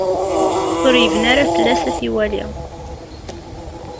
Ur ibni ara fell-as ad t-iwali.